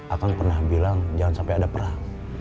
akan pernah bilang jangan sampai ada perang